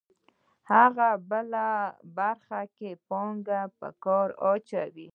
هغه په بله برخه کې پانګه په کار اچوي